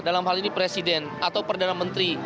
dalam hal ini presiden atau perdana menteri